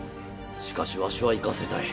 しかしわしは行かせたい